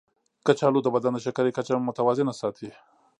کچالو د بدن د شکرې کچه متوازنه ساتي.